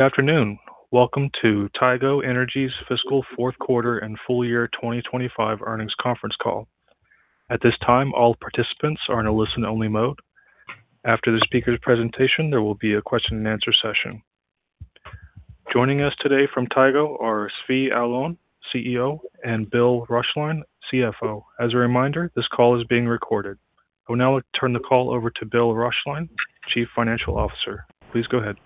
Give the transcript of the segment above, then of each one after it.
Good afternoon! Welcome to Tigo Energy's fiscal fourth quarter and full year 2025 earnings conference call. At this time, all participants are in a listen-only mode. After the speaker's presentation, there will be a question and answer session. Joining us today from Tigo are Zvi Alon, CEO, and Bill Rossi, CFO. As a reminder, this call is being recorded. I will now turn the call over to Bill Rossi, Chief Financial Officer. Please go ahead.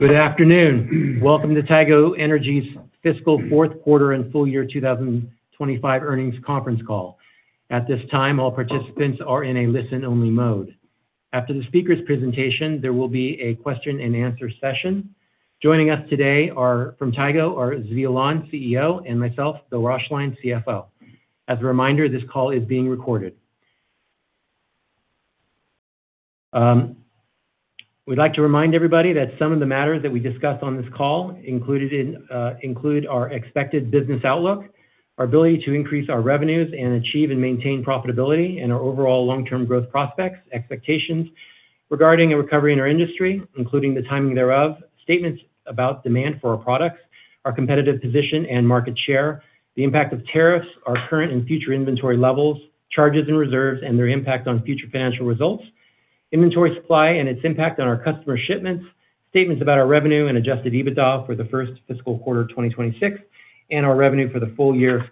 Good afternoon. Welcome to Tigo Energy's fiscal fourth quarter and full year 2025 earnings conference call. At this time, all participants are in a listen-only mode. After the speaker's presentation, there will be a question and answer session. Joining us today, from Tigo, are Zvi Alon, CEO, and myself, Bill Rossi, CFO. As a reminder, this call is being recorded. We'd like to remind everybody that some of the matters that we discussed on this call, included in, include our expected business outlook, our ability to increase our revenues and achieve and maintain profitability, and our overall long-term growth prospects, expectations regarding a recovery in our industry, including the timing thereof. Statements about demand for our products, our competitive position and market share, the impact of tariffs, our current and future inventory levels, charges and reserves, and their impact on future financial results, inventory supply and its impact on our customer shipments. Statements about our revenue and Adjusted EBITDA for the first fiscal quarter of 2026 and our revenue for the full year,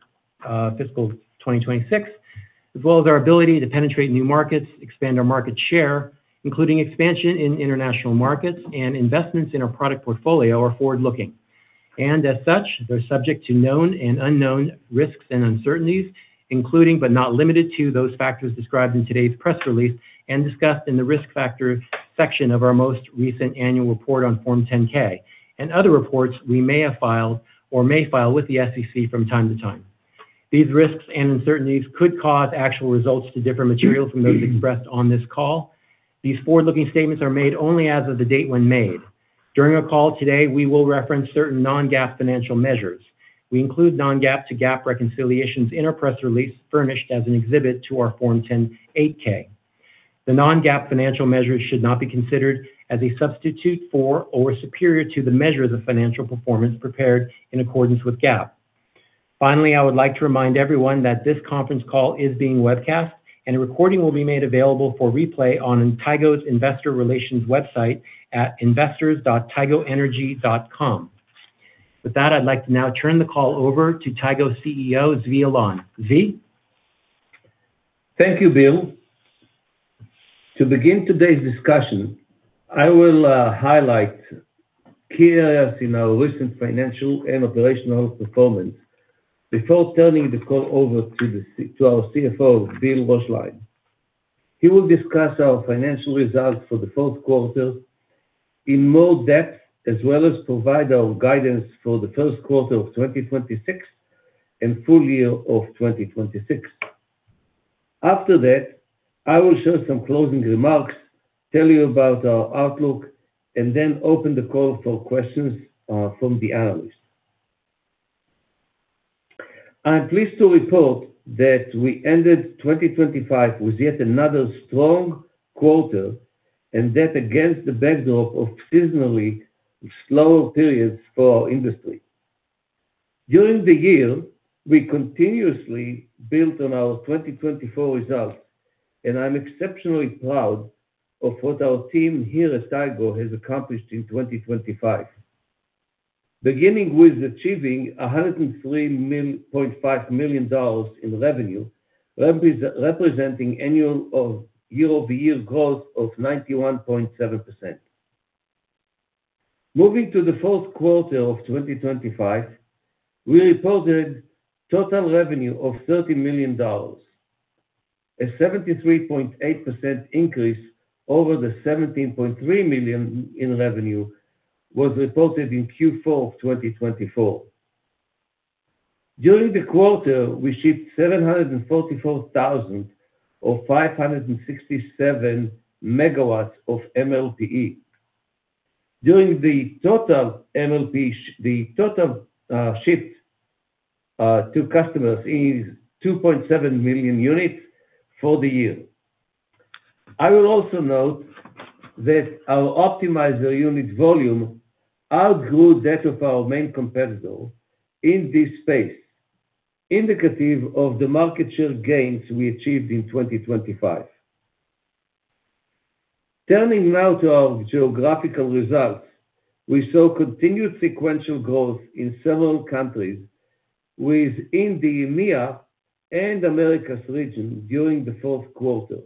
fiscal 2026, as well as our ability to penetrate new markets, expand our market share, including expansion in international markets and investments in our product portfolio, are forward-looking. As such, they're subject to known and unknown risks and uncertainties, including, but not limited to, those factors described in today's press release and discussed in the Risk Factors section of our most recent annual report on Form 10-K. Other reports we may have filed or may file with the SEC from time to time. These risks and uncertainties could cause actual results to differ materially from those expressed on this call. These forward-looking statements are made only as of the date when made. During our call today, we will reference certain non-GAAP financial measures. We include non-GAAP to GAAP reconciliations in our press release, furnished as an exhibit to our Form 8-K. The non-GAAP financial measures should not be considered as a substitute for or superior to the measures of financial performance prepared in accordance with GAAP. Finally, I would like to remind everyone that this conference call is being webcast, and a recording will be made available for replay on Tigo's Investor Relations website at investors.tigoenergy.com. With that, I'd like to now turn the call over to Tigo's CEO, Zvi Alon. Zvi? Thank you, Bill. To begin today's discussion, I will highlight key areas in our recent financial and operational performance before turning the call over to our CFO, Bill Rossi. He will discuss our financial results for the fourth quarter in more depth, as well as provide our guidance for the first quarter of 2026 and full year of 2026. After that, I will share some closing remarks, tell you about our outlook, and then open the call for questions from the analyst. I'm pleased to report that we ended 2025 with yet another strong quarter, that against the backdrop of seasonally slower periods for our industry. During the year, we continuously built on our 2024 results, I'm exceptionally proud of what our team here at Tigo has accomplished in 2025. Beginning with achieving $103.5 million in revenue, representing annual of year-over-year growth of 91.7%. Moving to the fourth quarter of 2025, we reported total revenue of $30 million. A 73.8% increase over the $17.3 million in revenue was reported in Q4 of 2024. During the quarter, we shipped 744,567 MW of MLPE. During the total shipped to customers is 2.7 million units for the year. I will also note that our optimizer unit volume outgrew that of our main competitor in this space, indicative of the market share gains we achieved in 2025. Turning now to our geographical results. We saw continued sequential growth in several countries within the EMEA and Americas region during the fourth quarter,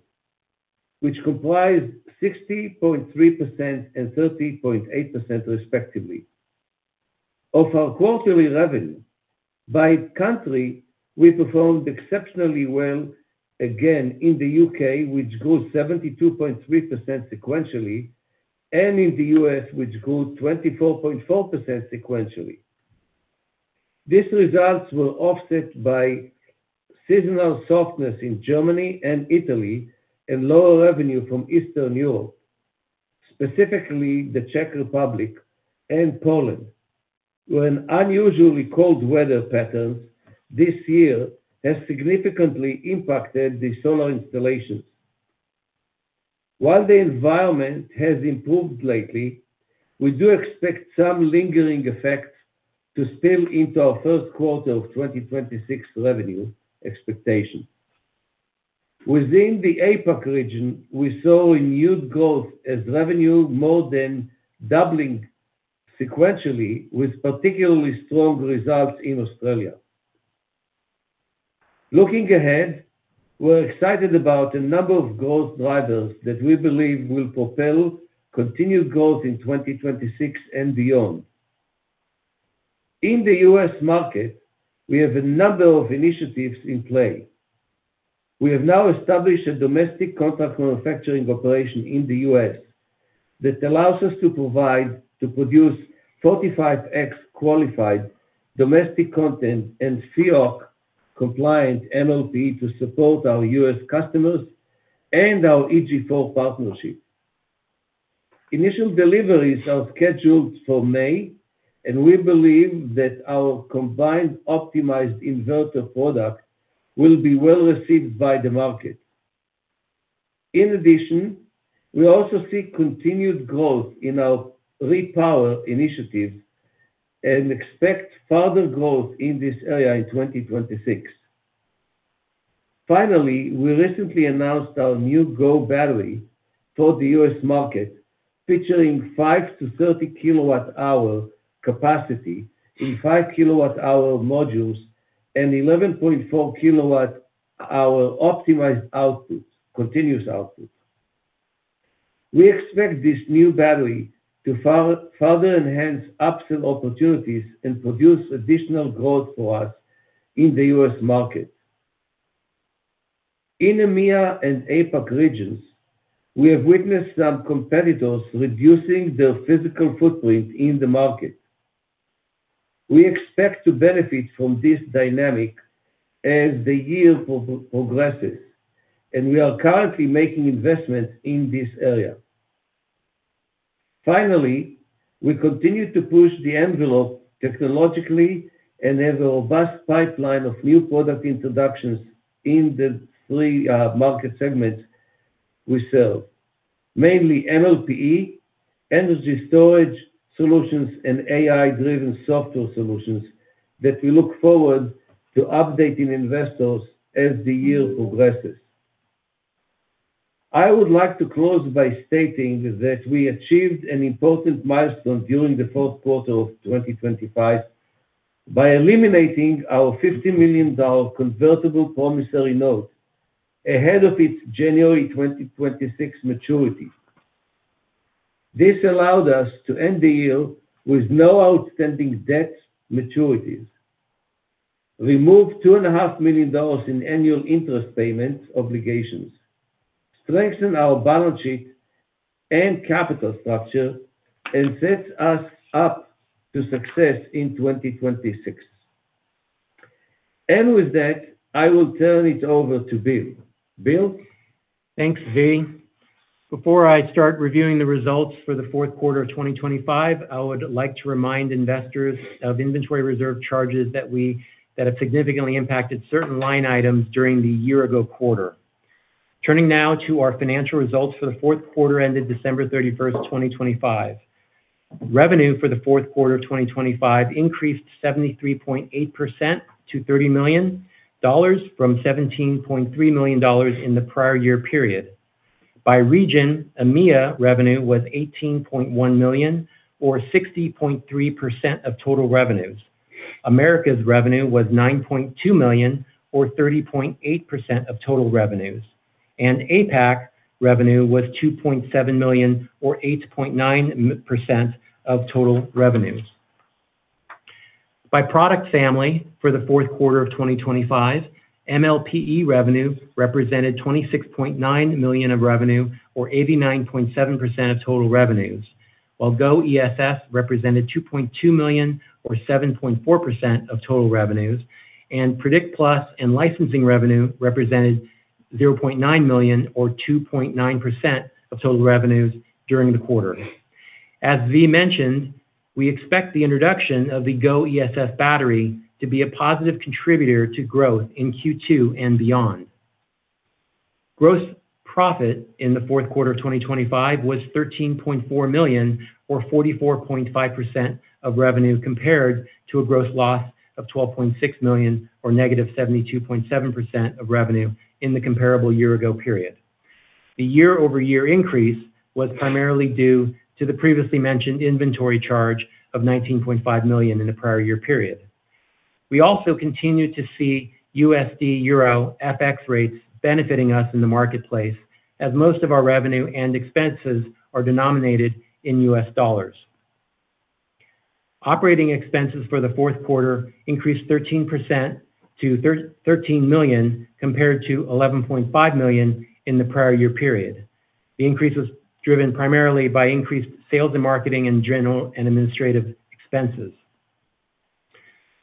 which comprised 60.3% and 30.8% respectively. Of our quarterly revenue, by country, we performed exceptionally well again in the UK, which grew 72.3% sequentially, and in the U.S., which grew 24.4% sequentially. These results were offset by seasonal softness in Germany and Italy, and lower revenue from Eastern Europe, specifically the Czech Republic and Poland, where an unusually cold weather pattern this year has significantly impacted the solar installations. While the environment has improved lately, we do expect some lingering effect to spill into our first quarter of 2026 revenue expectation. Within the APAC region, we saw a huge growth as revenue more than doubling sequentially, with particularly strong results in Australia. Looking ahead, we're excited about a number of growth drivers that we believe will propel continued growth in 2026 and beyond. In the U.S. market, we have a number of initiatives in play. We have now established a domestic contract manufacturing operation in the U.S., that allows us to produce 45x qualified domestic content and CEC compliant MLPE to support our U.S. customers and our EG4 partnership. Initial deliveries are scheduled for May, and we believe that our combined optimized inverter product will be well received by the market. We also see continued growth in our repower initiative and expect further growth in this area in 2026. We recently announced our new GO Battery for the U.S. market, featuring 5 kWh-30 kWh capacity in 5 kWh modules and 11.4 kWh optimized output, continuous output. We expect this new battery to further enhance upsell opportunities and produce additional growth for us in the U.S. market. In EMEA and APAC regions, we have witnessed some competitors reducing their physical footprint in the market. We expect to benefit from this dynamic as the year progresses, and we are currently making investments in this area. Finally, we continue to push the envelope technologically and have a robust pipeline of new product introductions in the three market segments we serve. Mainly MLPE, energy storage solutions, and AI-driven software solutions that we look forward to updating investors as the year progresses. I would like to close by stating that we achieved an important milestone during the fourth quarter of 2025, by eliminating our $50 million convertible promissory note ahead of its January 2026 maturity. This allowed us to end the year with no outstanding debts maturities, remove $2,500,000 in annual interest payment obligations, strengthen our balance sheet and capital structure, and set us up to success in 2026. With that, I will turn it over to Bill. Bill? Thanks, Zvi. Before I start reviewing the results for the fourth quarter of 2025, I would like to remind investors of inventory reserve charges that have significantly impacted certain line items during the year ago quarter. Turning now to our financial results for the fourth quarter ended December 31st, 2025. Revenue for the fourth quarter of 2025 increased 73.8% to $30 million from $17.3 million in the prior year period. By region, EMEA revenue was $18.1 million, or 60.3% of total revenues. Americas revenue was $9.2 million, or 30.8% of total revenues, and APAC revenue was $2.7 million, or 8.9% of total revenues. By product family, for the fourth quarter of 2025, MLPE revenue represented $26.9 million of revenue or 89.7% of total revenues, while GO ESS represented $2.2 million or 7.4% of total revenues, and Predict+ and licensing revenue represented $0.9 million or 2.9% of total revenues during the quarter. As Zvi mentioned, we expect the introduction of the GO ESS battery to be a positive contributor to growth in Q2 and beyond. Gross profit in the fourth quarter of 2025 was $13.4 million, or 44.5% of revenue, compared to a gross loss of $12.6 million, or -72.7% of revenue in the comparable year-ago period. The year-over-year increase was primarily due to the previously mentioned inventory charge of $19.5 million in the prior year period. We also continued to see USD, Euro, FX rates benefiting us in the marketplace, as most of our revenue and expenses are denominated in U.S. dollars. Operating expenses for the fourth quarter increased 13% to $13 million, compared to $11.5 million in the prior year period. The increase was driven primarily by increased sales and marketing in general and administrative expenses.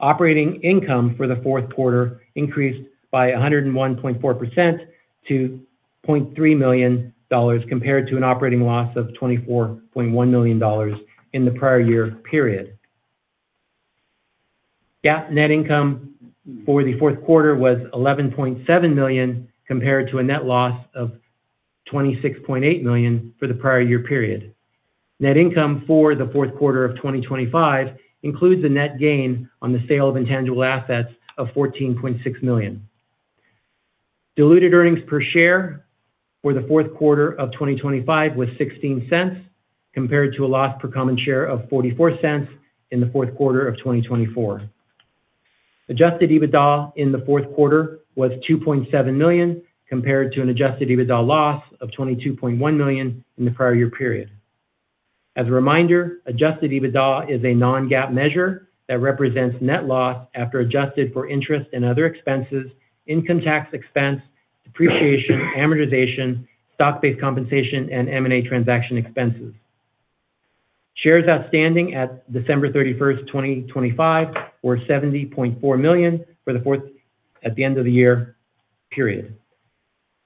Operating income for the fourth quarter increased by 101.4% to $0.3 million, compared to an operating loss of $24.1 million in the prior year period. GAAP net income for the fourth quarter was $11.7 million, compared to a net loss of $26.8 million for the prior year period. Net income for the fourth quarter of 2025 includes a net gain on the sale of intangible assets of $14.6 million. Diluted earnings per share for the fourth quarter of 2025 was $0.16, compared to a loss per common share of $0.44 in the fourth quarter of 2024. Adjusted EBITDA in the fourth quarter was $2.7 million, compared to an Adjusted EBITDA loss of $22.1 million in the prior year period. As a reminder, Adjusted EBITDA is a non-GAAP measure that represents net loss after adjusted for interest and other expenses, income tax expense, depreciation, amortization, stock-based compensation and M&A transaction expenses. Shares outstanding at December 31st, 2025, were 70.4 million for the fourth at the end of the year period.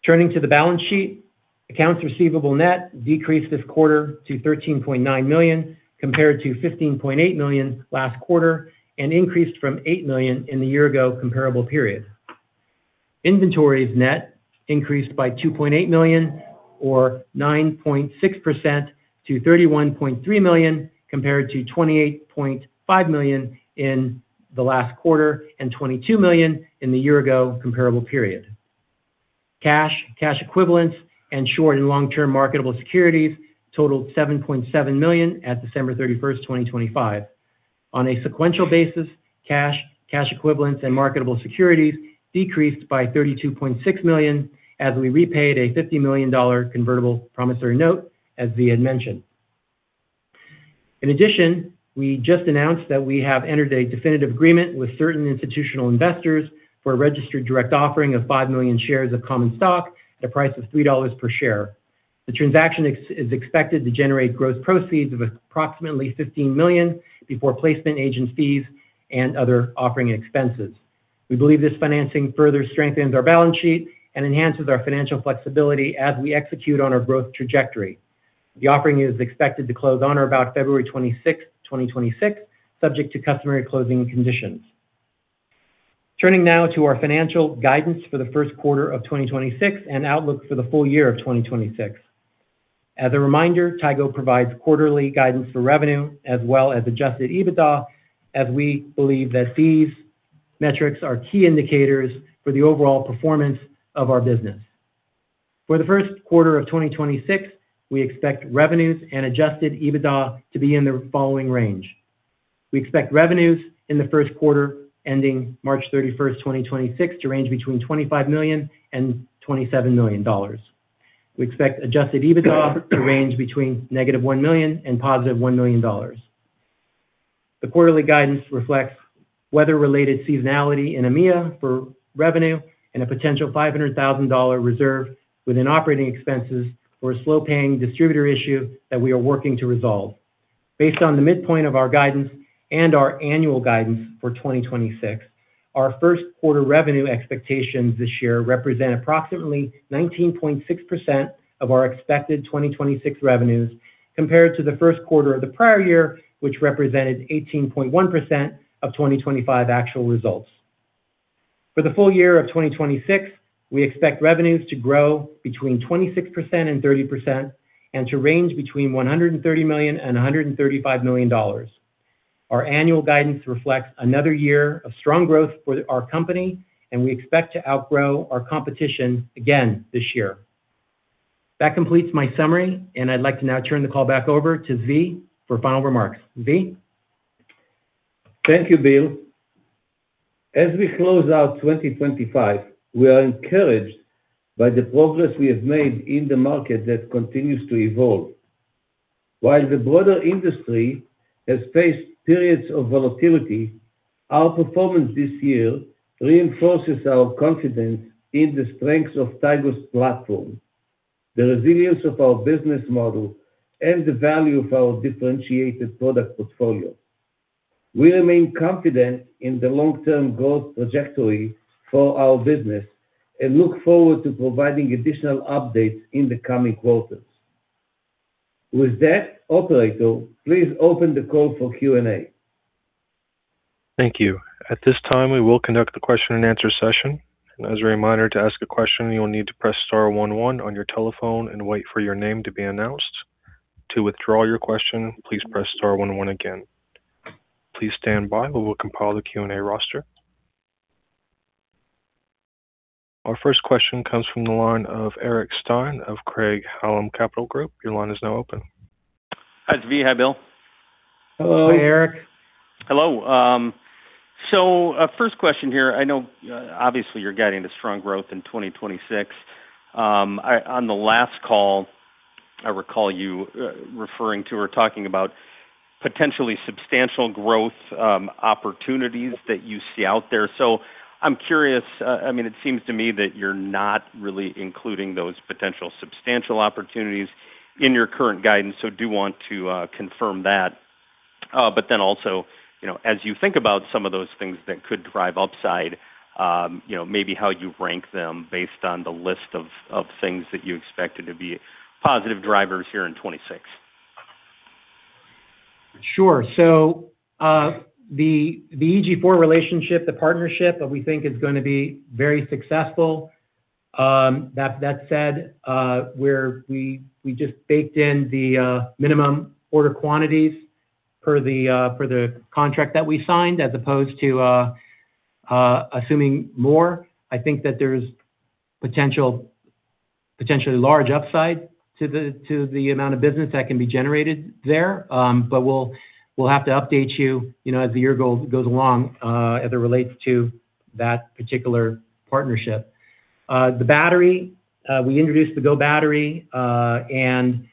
Turning to the balance sheet. Accounts receivable net decreased this quarter to $13.9 million, compared to $15.8 million last quarter, and increased from $8 million in the year-ago comparable period. Inventories net increased by $2.8 million, or 9.6% to $31.3 million, compared to $28.5 million in the last quarter and $22 million in the year-ago comparable period. Cash, cash equivalents, and short and long-term marketable securities totaled $7.7 million at December 31st, 2025. On a sequential basis, cash equivalents, and marketable securities decreased by $32.6 million as we repaid a $50 million convertible promissory note, as Zvi had mentioned. We just announced that we have entered a definitive agreement with certain institutional investors for a registered direct offering of $5 million shares of common stock at a price of $3 per share. The transaction is expected to generate gross proceeds of approximately $15 million before placement agent fees and other offering expenses. We believe this financing further strengthens our balance sheet and enhances our financial flexibility as we execute on our growth trajectory. The offering is expected to close on or about February 26th, 2026, subject to customary closing conditions. Turning now to our financial guidance for the first quarter of 2026 and outlook for the full year of 2026. As a reminder, Tigo provides quarterly guidance for revenue as well as Adjusted EBITDA, as we believe that these metrics are key indicators for the overall performance of our business. For the first quarter of 2026, we expect revenues and Adjusted EBITDA to be in the following range. We expect revenues in the first quarter, ending March 31st, 2026, to range between $25 million and $27 million. We expect Adjusted EBITDA to range between -$1 million and +$1 million. The quarterly guidance reflects weather-related seasonality in EMEA for revenue and a potential $500,000 reserve within operating expenses for a slow-paying distributor issue that we are working to resolve. Based on the midpoint of our guidance and our annual guidance for 2026, our first quarter revenue expectations this year represent approximately 19.6% of our expected 2026 revenues, compared to the first quarter of the prior year, which represented 18.1% of 2025 actual results. For the full year of 2026, we expect revenues to grow between 26% and 30% and to range between $130 million and $135 million. Our annual guidance reflects another year of strong growth for our company, and we expect to outgrow our competition again this year. That completes my summary, and I'd like to now turn the call back over to Zvi for final remarks. Zvi? Thank you, Bill. As we close out 2025, we are encouraged by the progress we have made in the market that continues to evolve. While the broader industry has faced periods of volatility, our performance this year reinforces our confidence in the strengths of Tigo's platform, the resilience of our business model, and the value of our differentiated product portfolio. We remain confident in the long-term growth trajectory for our business and look forward to providing additional updates in the coming quarters. With that, operator, please open the call for Q&A. Thank you. At this time, we will conduct the question-and-answer session. As a reminder, to ask a question, you will need to press star one one on your telephone and wait for your name to be announced. To withdraw your question, please press star one one again. Please stand by. We will compile the Q&A roster. Our 1st question comes from the line of Eric Stine of Craig-Hallum Capital Group. Your line is now open. Hi, Zvi. Hi, Bill. Hello. Hi, Eric. Hello. First question here. I know, obviously you're guiding to strong growth in 2026. On the last call, I recall you referring to or talking about potentially substantial growth opportunities that you see out there. I'm curious, it seems to me that you're not really including those potential substantial opportunities in your current guidance, do want to confirm that. Also, you know, as you think about some of those things that could drive upside, you know, maybe how you rank them based on the list of things that you expected to be positive drivers here in 26? Sure. The EG4 relationship, the partnership that we think is going to be very successful. That said, we just baked in the minimum order quantities per the for the contract that we signed, as opposed to assuming more. I think that there's potentially large upside to the amount of business that can be generated there. But we'll have to update you know, as the year goes along, as it relates to that particular partnership. The battery, we introduced the GO Battery, and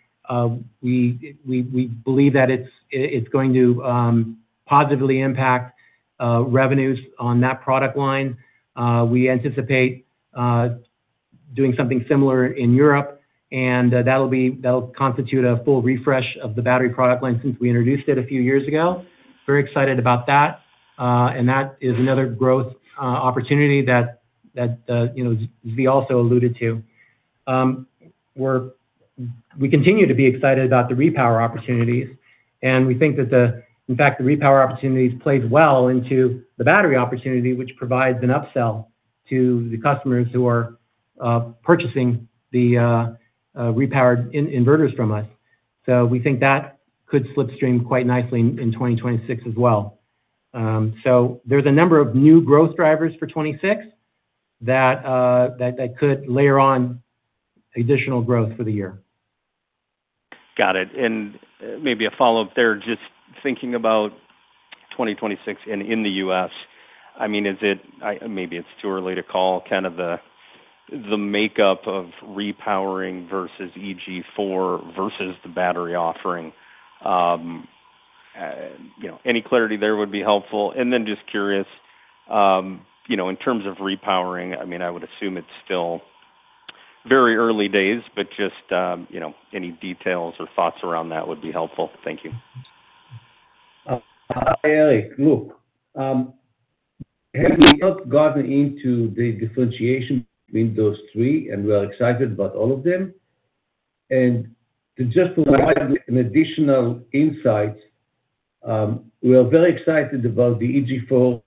we believe that it's going to positively impact revenues on that product line. We anticipate doing something similar in Europe, and that'll constitute a full refresh of the battery product line since we introduced it a few years ago. Very excited about that, and that is another growth opportunity that, you know, Zvi also alluded to. We continue to be excited about the repower opportunities, and we think that, in fact, the repower opportunities plays well into the battery opportunity, which provides an upsell to the customers who are purchasing the repowered inverters from us. We think that could slipstream quite nicely in 2026 as well. There's a number of new growth drivers for 2026, that could layer on additional growth for the year. Got it. Maybe a follow-up there, just thinking about 2026 and in the U.S., I mean, is it, maybe it's too early to call, kind of the makeup of repowering versus EG4 versus the battery offering? You know, any clarity there would be helpful. Then just curious, you know, in terms of repowering, I mean, I would assume it's still very early days, but just, you know, any details or thoughts around that would be helpful. Thank you. Hi, Eric. Look, have we not gotten into the differentiation between those three, and we are excited about all of them? To just provide an additional insight, we are very excited about the EG4,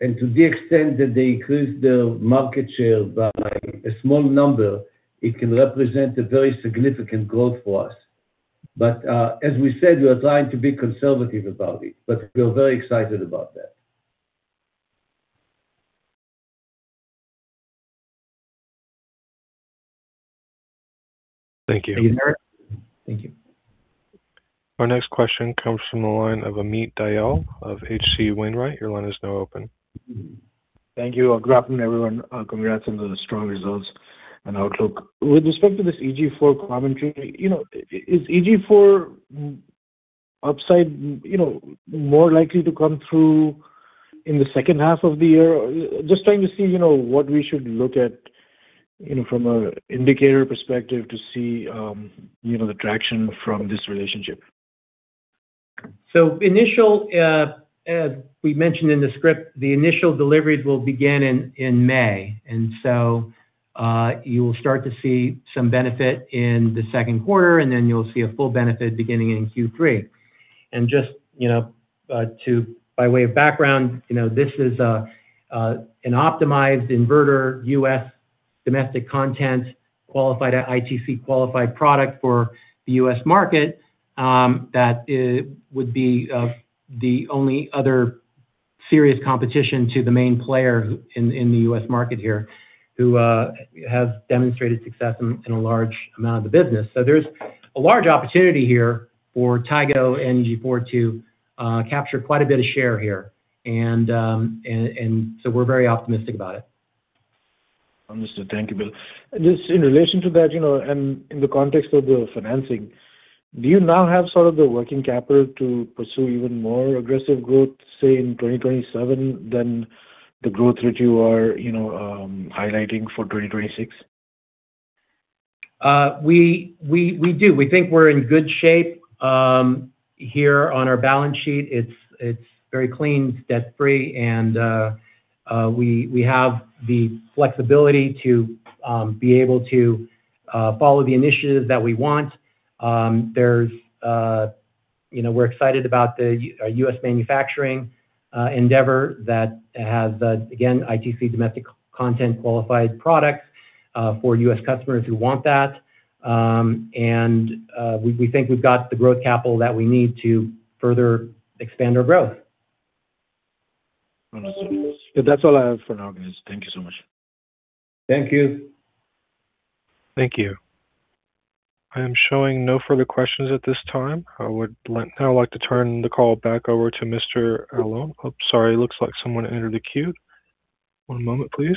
and to the extent that they increase the market share by a small number, it can represent a very significant growth for us. As we said, we are trying to be conservative about it, but we're very excited about that. Thank you. Thank you. Our next question comes from the line of Amit Dayal of H.C. Wainwright. Your line is now open. Thank you. Good afternoon, everyone. Congrats on the strong results and outlook. With respect to this EG4 commentary, you know, is EG4 upside, you know, more likely to come through in the second half of the year? Just trying to see, you know, what we should look at, you know, from an indicator perspective to see, you know, the traction from this relationship. Initial, we mentioned in the script, the initial deliveries will begin in May, you will start to see some benefit in the second quarter, and then you'll see a full benefit beginning in Q3. Just, you know, to by way of background, you know, this is an optimized inverter, U.S. domestic content, qualified, ITC qualified product for the U.S. market, that would be the only other serious competition to the main player in the U.S. market here, who has demonstrated success in a large amount of the business. There's a large opportunity here for Tigo and EG4 to capture quite a bit of share here. We're very optimistic about it. Understood. Thank you, Bill. Just in relation to that, you know, and in the context of the financing, do you now have sort of the working capital to pursue even more aggressive growth, say, in 2027, than the growth that you are, you know, highlighting for 2026? We do. We think we're in good shape here on our balance sheet. It's very clean, it's debt-free, and we have the flexibility to be able to follow the initiatives that we want. There's, you know, we're excited about the U.S. manufacturing endeavor that has again, ITC domestic content qualified products for U.S. customers who want that. We think we've got the growth capital that we need to further expand our growth. Understood. That's all I have for now, guys. Thank you so much. Thank you. Thank you. I am showing no further questions at this time. I now like to turn the call back over to Mr. Alon. Oops, sorry, looks like someone entered the queue. One moment, please.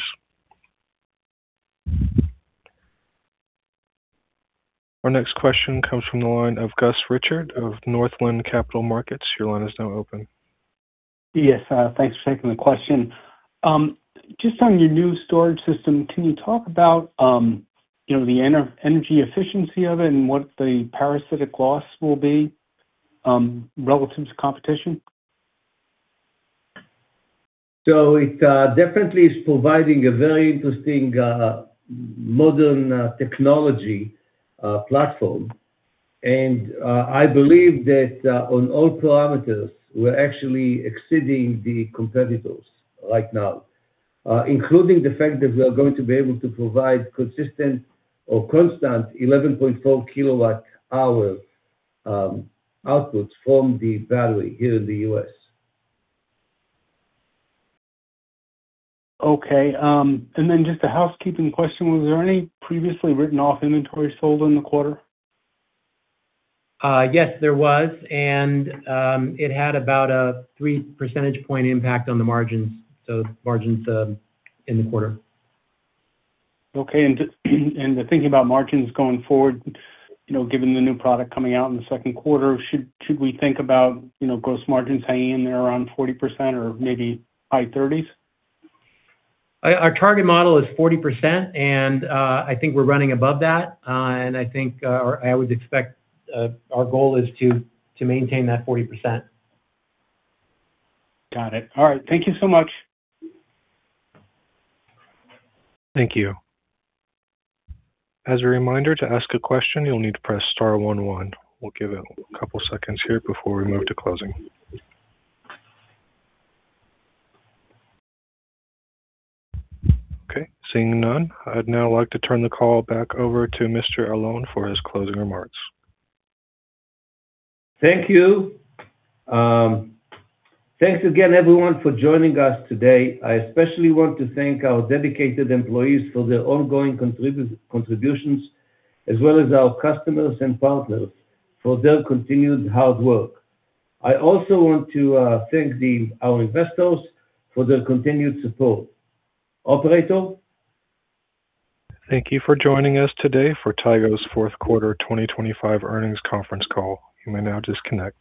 Our next question comes from the line of Gus Richard of Northland Capital Markets. Your line is now open. Yes, thanks for taking the question. Just on your new storage system, can you talk about, you know, the energy efficiency of it and what the parasitic loss will be, relative to competition? It definitely is providing a very interesting modern technology platform. I believe that on all parameters, we're actually exceeding the competitors right now, including the fact that we are going to be able to provide consistent or constant 11.4 kWh outputs from the battery here in the U.S. Okay, then just a housekeeping question. Was there any previously written off inventory sold in the quarter? Yes, there was. It had about a 3 percentage point impact on the margins. Margins, in the quarter. Okay. Just thinking about margins going forward, you know, given the new product coming out in the second quarter, should we think about, you know, gross margins hanging in there around 40% or maybe high 30s? Our target model is 40%, and I think we're running above that. I think, or I would expect, our goal is to maintain that 40%. Got it. All right. Thank you so much. Thank you. As a reminder, to ask a question, you'll need to press star one. We'll give it a couple seconds here before we move to closing. Okay, seeing none, I'd now like to turn the call back over to Mr. Alon for his closing remarks. Thank you. Thanks again, everyone, for joining us today. I especially want to thank our dedicated employees for their ongoing contributions, as well as our customers and partners for their continued hard work. I also want to thank the, our investors for their continued support. Operator? Thank you for joining us today for Tigo's fourth quarter 2025 earnings conference call. You may now disconnect.